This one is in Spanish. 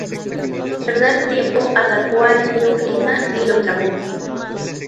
Sin perder tiempo atacó al niño Krisná y lo tragó.